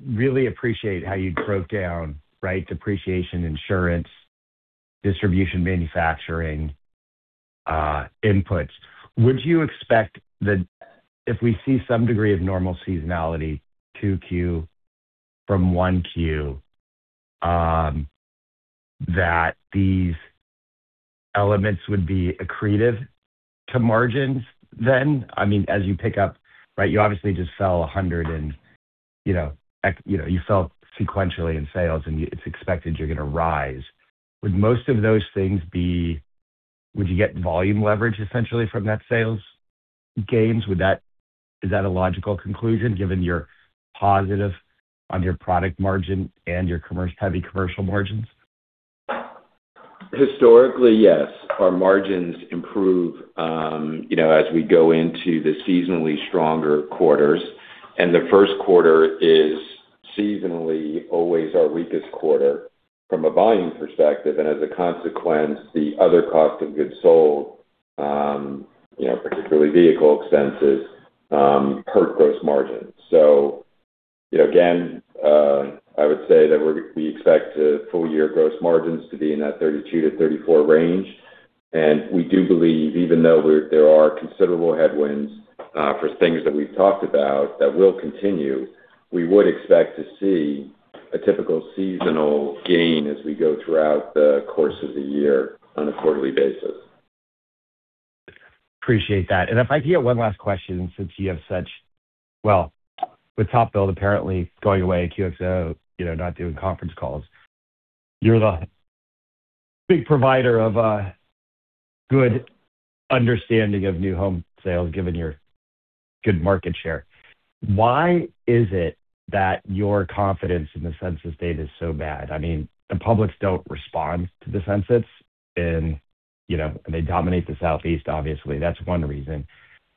Really appreciate how you broke down, right, depreciation, insurance, distribution, manufacturing, inputs. Would you expect that if we see some degree of normal seasonality to 2Q from 1Q, that these elements would be accretive to margins then? I mean, as you pick up, right, you obviously just fell sequentially in sales, and it's expected you're going to rise. Would you get volume leverage essentially from net sales gains? Is that a logical conclusion given you're positive on your product margin and your heavy commercial margins? Historically, yes. Our margins improve, you know, as we go into the seasonally stronger quarters, and the first quarter is seasonally always our weakest quarter from a volume perspective. As a consequence, the other cost of goods sold, you know, particularly vehicle expenses, hurt gross margins. You know, again, I would say that we expect full year gross margins to be in that 32%-34% range. We do believe even though there are considerable headwinds for things that we've talked about that will continue, we would expect to see a typical seasonal gain as we go throughout the course of the year on a quarterly basis. Appreciate that. If I could get one last question. Well, with TopBuild apparently going away, QXO, you know, not doing conference calls, you're the big provider of a good understanding of new home sales, given your good market share. Why is it that your confidence in the Census data is so bad? I mean, the publics don't respond to the Census and, you know, and they dominate the Southeast, obviously. That's one reason.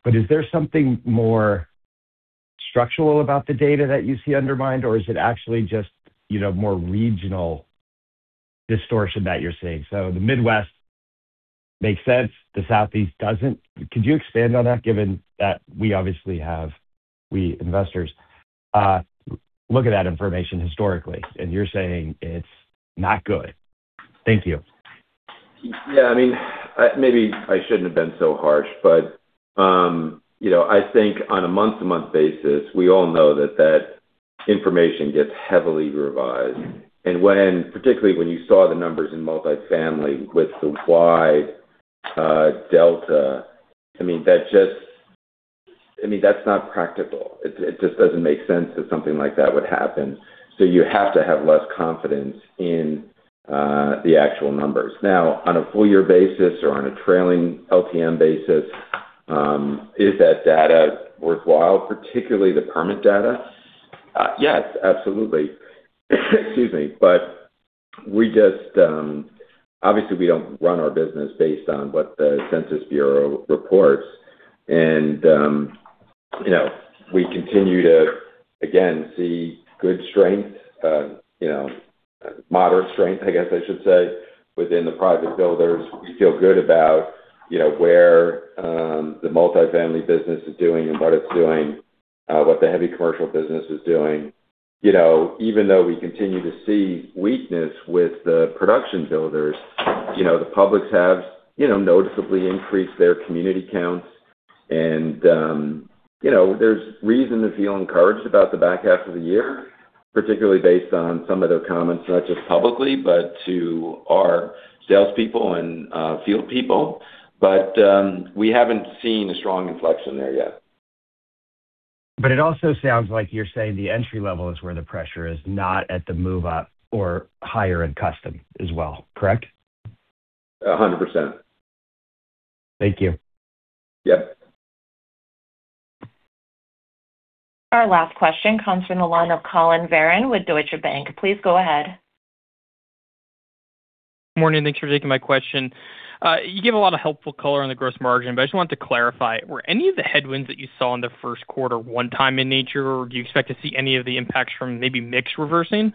Is there something more structural about the data that you see undermined, or is it actually just, you know, more regional distortion that you're seeing? The Midwest makes sense, the Southeast doesn't. Could you expand on that given that we obviously have, we investors, look at that information historically, and you're saying it's not good. Thank you. Yeah. I mean, maybe I shouldn't have been so harsh, but, you know, I think on a month-to-month basis, we all know that that information gets heavily revised. Particularly when you saw the numbers in multifamily with the wide delta, I mean, that's not practical. It just doesn't make sense that something like that would happen. You have to have less confidence in the actual numbers. Now, on a full-year basis or on a trailing LTM basis, is that data worthwhile, particularly the permit data? Yes, absolutely. Excuse me. We just, obviously we don't run our business based on what the U.S. Census Bureau reports. You know, we continue to again see good strength, you know, moderate strength, I guess I should say, within the private builders. We feel good about, you know, where the multifamily business is doing and what it's doing, what the heavy commercial business is doing. You know, even though we continue to see weakness with the production builders, you know, the publics have, you know, noticeably increased their community counts and, you know, there's reason to feel encouraged about the back half of the year, particularly based on some of their comments, not just publicly, but to our salespeople and field people. We haven't seen a strong inflection there yet. It also sounds like you're saying the entry level is where the pressure is not at the move up or higher end custom as well, correct? A 100%. Thank you. Yeah. Our last question comes from the line of Collin Verron with Deutsche Bank. Please go ahead. Morning, thanks for taking my question. You gave a lot of helpful color on the gross margin. I just wanted to clarify. Were any of the headwinds that you saw in the first quarter one time in nature, or do you expect to see any of the impacts from maybe mix reversing?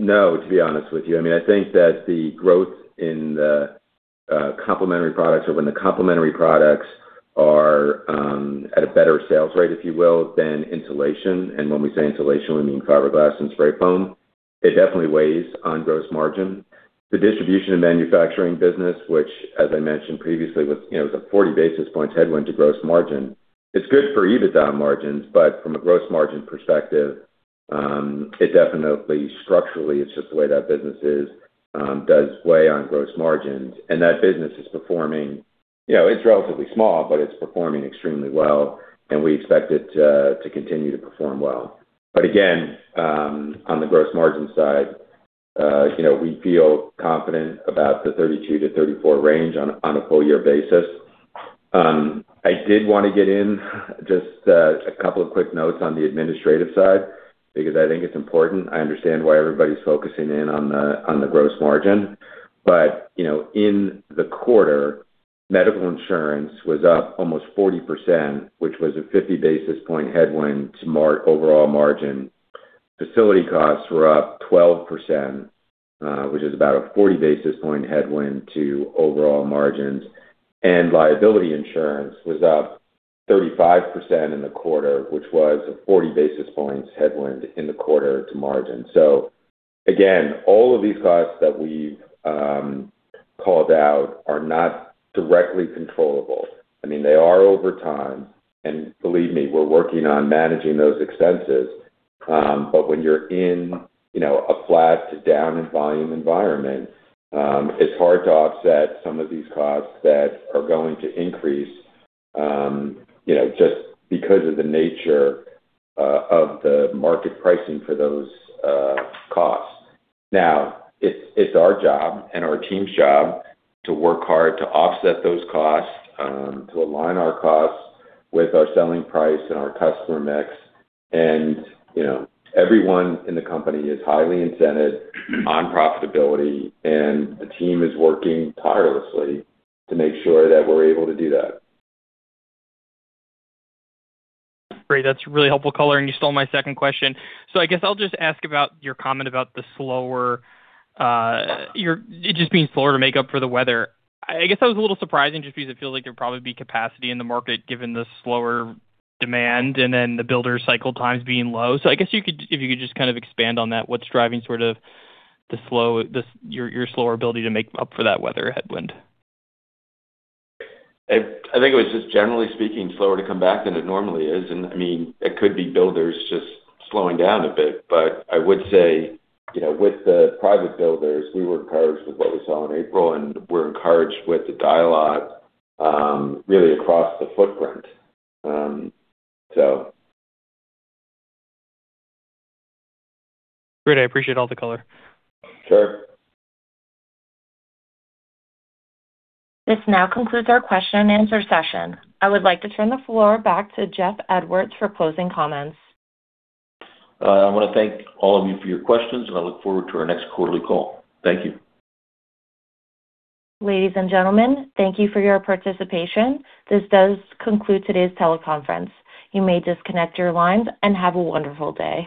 No, to be honest with you. I mean, I think that the growth in the complementary products or when the complementary products are at a better sales rate, if you will, than insulation, and when we say insulation, we mean fiberglass and spray foam. It definitely weighs on gross margin. The distribution and manufacturing business, which as I mentioned previously, was, you know, was a 40 basis points headwind to gross margin. It's good for EBITDA margins, but from a gross margin perspective, it definitely structurally is just the way that business is, does weigh on gross margins. That business is performing. You know, it's relatively small, but it's performing extremely well, and we expect it to continue to perform well. Again, on the gross margin side, you know, we feel confident about the 32%-34% range on a full-year basis. I did want to get in just a couple of quick notes on the administrative side because I think it's important. I understand why everybody's focusing in on the gross margin. You know, in the quarter, medical insurance was up almost 40%, which was a 50 basis point headwind to overall margin. Facility costs were up 12%, which is about a 40 basis point headwind to overall margins. Liability insurance was up 35% in the quarter, which was a 40 basis points headwind in the quarter to margin. Again, all of these costs that we've called out are not directly controllable. I mean, they are over time, and believe me, we're working on managing those expenses. When you're in, you know, a flat to down in volume environment, it's hard to offset some of these costs that are going to increase, you know, just because of the nature of the market pricing for those costs. Now, it's our job and our team's job to work hard to offset those costs, to align our costs with our selling price and our customer mix. You know, everyone in the company is highly incented on profitability, and the team is working tirelessly to make sure that we're able to do that. Great. That's really helpful color, and you stole my second question. I guess I'll just ask about your comment about the slower, it just being slower to make up for the weather. I guess that was a little surprising just because it feels like there'd probably be capacity in the market given the slower demand and then the builder cycle times being low. I guess if you could just kind of expand on that, what's driving sort of your slower ability to make up for that weather headwind? I think it was just generally speaking slower to come back than it normally is. I mean, it could be builders just slowing down a bit. I would say, you know, with the private builders, we were encouraged with what we saw in April, and we're encouraged with the dialogue, really across the footprint. Great. I appreciate all the color. Sure. This now concludes our question and answer session. I would like to turn the floor back to Jeffrey Edwards for closing comments. I wanna thank all of you for your questions, and I look forward to our next quarterly call. Thank you. Ladies and gentlemen, thank you for your participation. This does conclude today's teleconference. You may disconnect your lines and have a wonderful day.